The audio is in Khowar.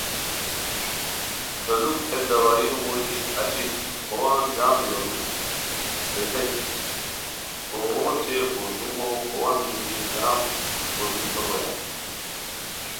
دولوک بے داوائیو موژی اچی پووان جم لوڑی ریتائے کی کوغو اوچے پردومو پووان موژی جم ہوݰ کورین نو بویان